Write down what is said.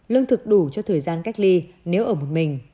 lương thực đủ cho thời gian cách ly nếu ở một mình